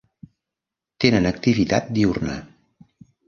Tenen activitat diürna.